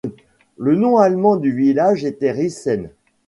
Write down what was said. Le nom allemand du village était Rissen.